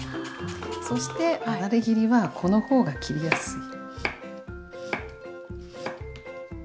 そしてあられ切りはこの方が切りやすい。